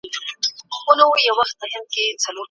بيلتون په ټولنه کي کومي ستونزي په وجود راوړي؟